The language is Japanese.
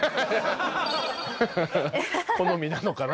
好みなのかな？